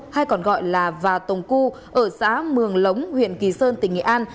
hay còn gọi là và tồng cu ở xã mường lống huyện kỳ sơn tỉnh nghệ an